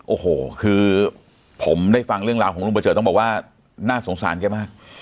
โอ้โหคือผมได้ฟังเรื่องราวของลุงประเจิดต้องบอกว่าน่าสงสารแกมาก